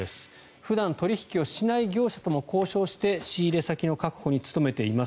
普段取引をしない業者とも交渉して仕入れ先の確保に努めています。